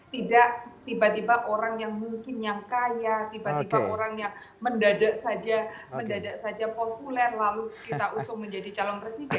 tidak tiba tiba orang yang mungkin yang kaya tiba tiba orang yang mendadak saja mendadak saja populer lalu kita usung menjadi calon presiden